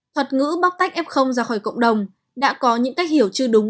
thuật ngữ bóc tách f ra khỏi cộng đồng đã có những cách hiểu chưa đúng